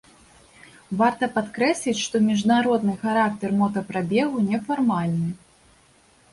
Варта падкрэсліць, што міжнародны характар мотапрабегу не фармальны.